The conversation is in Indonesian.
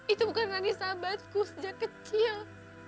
itu bukan dari sahabatku sejak kecil